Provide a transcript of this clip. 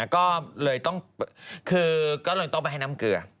ก็เลยต้องคือก็เลยต้องไปให้น้ำเกลือ